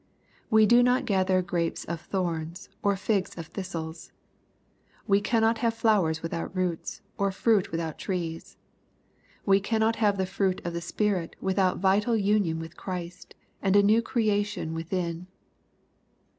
We do not gather grapes of thorns, or figs of thistles. We cannot have flowers without roots, or fruit without trees. We cannot have the fruit of the Spirit, without vital union with Christ, and a new creation within.